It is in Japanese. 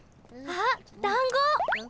あっだんご。